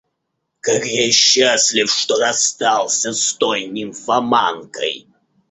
Как я счастлив, что расстался с той нимфоманкой!